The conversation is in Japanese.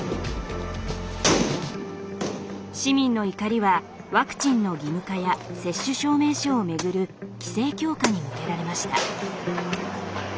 市民の怒りはワクチンの義務化や接種証明書を巡る規制強化に向けられました。